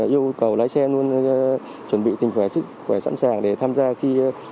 yêu cầu lái xe luôn chuẩn bị tình khỏe sẵn sàng để tham gia khi